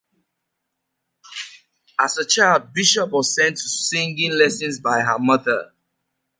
As a child, Bishop was sent to singing lessons by her mother.